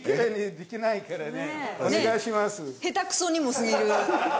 下手くそにも過ぎる。